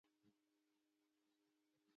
د کورنۍ غړي به د دسترخوان چارچاپېره ناست وو.